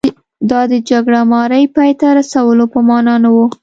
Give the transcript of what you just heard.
دا د جګړه مارۍ پای ته رسولو په معنا نه و.